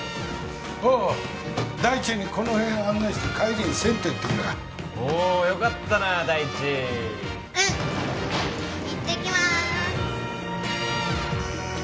おお大地にこの辺を案内して帰りに銭湯行ってくるわおおよかったな大地うん行ってきます